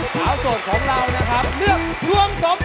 ขาสดของเรานะครับเลือกดวงสมภพ